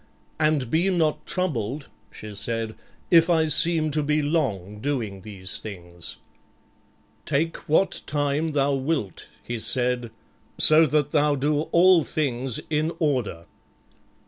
"And be not troubled," she said, "if I seem to be long doing these things." "Take what time thou wilt," he said, "so that thou do all things in order."